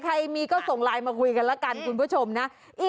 ใครมีก็ส่งไลน์มาคุยกันแล้วกันคุณผู้ชมนะ